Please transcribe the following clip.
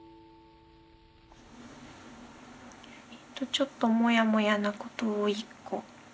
ちょっとモヤモヤなことを１個。